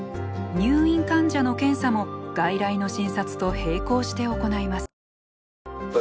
入院患者の検査も外来の診察と並行して行います。